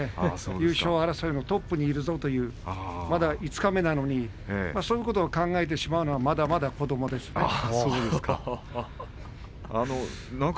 優勝争いのトップにいるぞというまだ二日目なのにそういうことを考えてしまうのはそうですか。